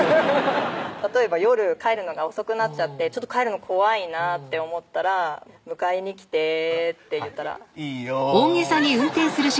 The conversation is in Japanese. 例えば夜帰るのが遅くなっちゃって帰るの怖いなって思ったら「迎えに来て」って言ったら「いいよ」